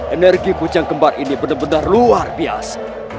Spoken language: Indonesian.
energi pucang kembar ini benar benar luar biasa